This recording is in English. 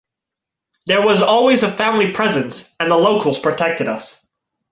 There was always a family presence and the locals protected us.